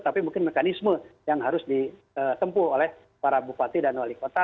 tapi mungkin mekanisme yang harus ditempuh oleh para bupati dan wali kota